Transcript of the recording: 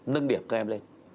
nâng điểm các em lên